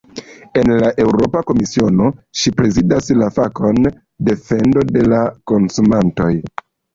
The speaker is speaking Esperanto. En la Eŭropa Komisiono, ŝi prezidas la fakon "defendo de la konsumantoj".